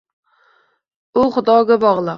U xudoga bog`liq